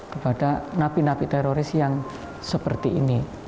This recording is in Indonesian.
kepada napi napi teroris yang seperti ini